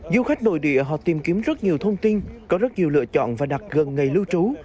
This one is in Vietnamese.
du khách nội địa họ tìm kiếm rất nhiều thông tin có rất nhiều lựa chọn và đặt gần ngày lưu trú